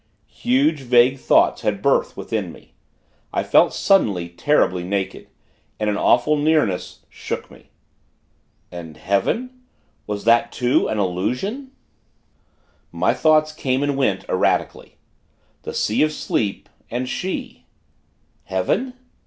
Huge, vague thoughts had birth within me. I felt, suddenly, terribly naked. And an awful Nearness, shook me. And Heaven ...! Was that an illusion? My thoughts came and went, erratically. The Sea of Sleep and she! Heaven....